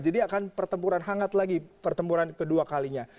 jadi akan pertempuran hangat lagi pertempuran kedua kalinya